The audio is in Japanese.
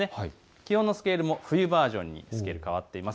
気温のスケールも冬バージョンに変わっています。